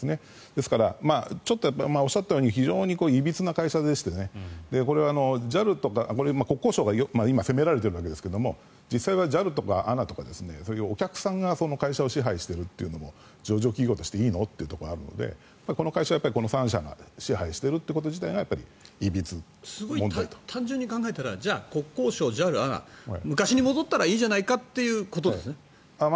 ですから、おっしゃったように非常にいびつな会社でしてこれはＪＡＬとか国交省が今、責められてるわけですが実際はＪＡＬとかＡＮＡとかお客さんがそういう会社を支配してるっていうのも上場企業としていいの？というところがあるのでこの会社は、この３社が支配しているということ自体が単純に考えたらじゃあ、国交省、ＪＡＬ、ＡＮＡ昔に戻ったらいいじゃないかということですね。